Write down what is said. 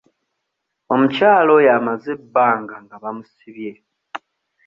Omukyala oyo amaze ebbanga nga bamusibye.